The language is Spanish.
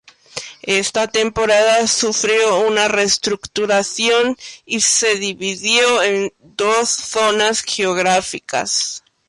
Esta temporada sufrió una reestructuración y se dividió en dos zonas geográficas.